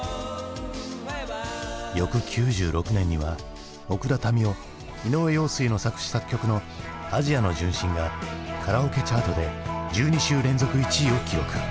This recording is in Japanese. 翌９６年には奥田民生井上陽水の作詞・作曲の「アジアの純真」がカラオケチャートで１２週連続１位を記録。